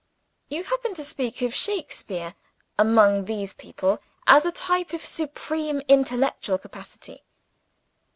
You happen to speak of Shakespeare, among these people, as a type of supreme intellectual capacity.